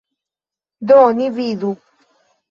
Do ni vidu.